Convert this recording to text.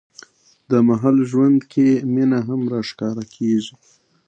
د محصل ژوند کې مینه هم راښکاره کېږي.